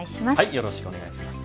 よろしくお願いします。